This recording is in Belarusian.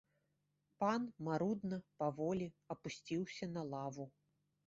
Пан марудна, паволі апусціўся на лаву.